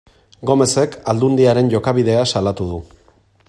Gomezek Aldundiaren jokabidea salatu du.